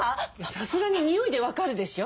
さすがにニオイで分かるでしょ。